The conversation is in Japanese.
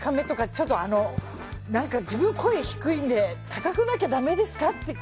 ちょっと自分は声が低いので高くなきゃだめですかって。